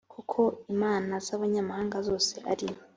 kuko imana z abanyamahanga zose ari